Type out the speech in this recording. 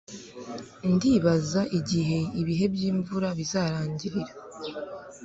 Ndibaza igihe ibihe byimvura bizarangirira